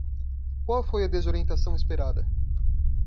Qual foi a desorientação esperada?